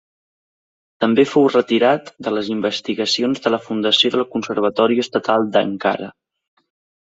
També fou retirat de les investigacions de la fundació del Conservatori Estatal d'Ankara.